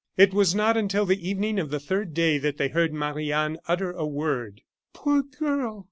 It was not until the evening of the third day that they heard Marie Anne utter a word. "Poor girl!"